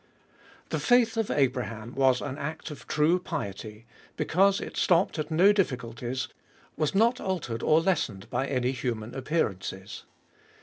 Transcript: The faith of Abraham was an act of true piety, because it stopped at no diffi culties, was not altered or lessened by any human ap pearances.